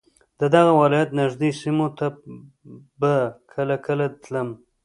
د دغه ولایت نږدې سیمو ته به کله کله تلم.